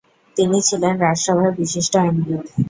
তিনি ছিলেন রাজসভার বিশিষ্ট আইনবিদ।